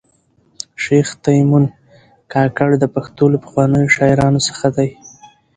شېخ تیمن کاکړ د پښتو له پخوانیو شاعرانو څخه دﺉ.